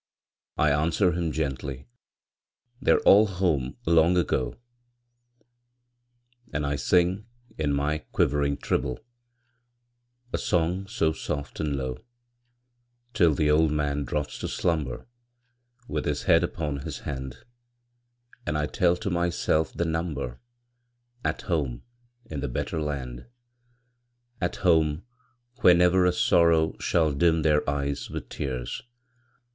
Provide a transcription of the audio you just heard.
I answer him gently, "They're all home long ago;" And I sing, in my quivering treble, A song so soft and low, Till the old man drops to slumber, With his head upon his hand, And I tell to myself the number At home in the better land. At home, where never a sorrow Shall dim their eyes with tears!